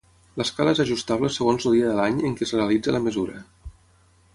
L'escala és ajustable segons el dia de l'any en què es realitzi la mesura.